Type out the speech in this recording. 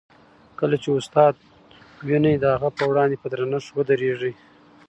کله چي استاد وینئ، د هغه په وړاندې په درنښت ودریږئ.